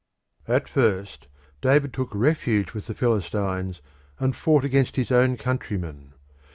At first David took refuge with the Philistines and fought against his own countrymen.